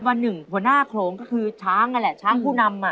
วันหนึ่งหัวหน้าโขลงก็คือช้างนั่นแหละช้างผู้นำ